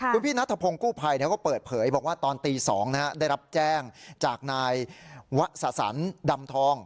คุณพี่นัทพงศ์กู้ภัยก็เปิดเผยบอกว่าตอนตี๒ได้รับแจ้งจากนายวะสะสันดำทอง